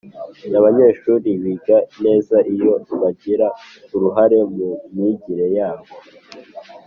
Abanyeshuri biga neza iyo bagira uruhare mu myigire yabo